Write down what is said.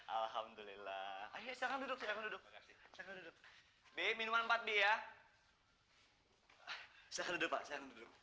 alhamdulillah duduk duduk minuman empat b ya